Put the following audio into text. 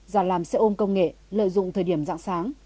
già làm xe ôm công nghệ lợi dụng thời điểm dạng sáng